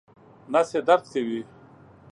نس یې درد کوي